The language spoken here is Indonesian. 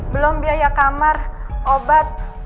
belum biaya kamar obat